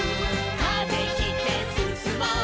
「風切ってすすもう」